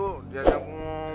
untuk ketemu prison seperti ini